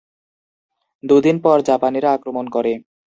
দুদিন পর জাপানিরা আক্রমণ করে।